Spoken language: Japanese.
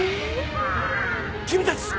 君たち！